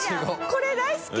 これ大好き！